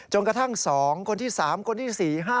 จนกระทั่ง๒คนที่๓คนที่๔๕๖๗๘๙๑๐๑๑๑๒